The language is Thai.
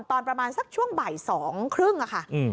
ตอนประมาณสักช่วงบ่ายสองครึ่งอะค่ะอืม